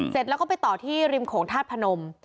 เสร็จแล้วก็ไปต่อที่ริมโขงธาตุพนม